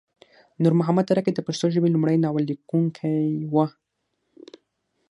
نور محمد ترکی د پښتو ژبې لمړی ناول لیکونکی وه